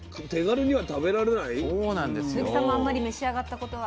鈴木さんもあんまり召し上がったことは。